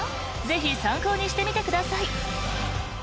ぜひ参考にしてみてください］